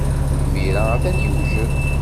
Imir-a, atan yewjed.